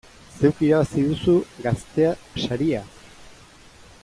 Zeuk irabazi duzu Gaztea saria!